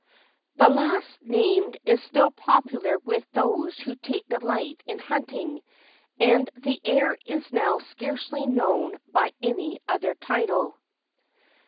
The last named is still popular with those who take delight in hunting, and the air is now scarcely known by any other title.